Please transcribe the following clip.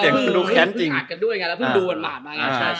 พึ่งดูกันมากมาก